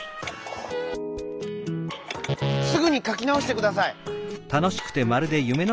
「すぐにかきなおしてください」。